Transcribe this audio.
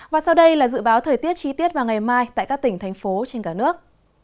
và sau đây là dự báo thời tiết chi tiết vào ngày mai tại các tỉnh thành phố trên cả nước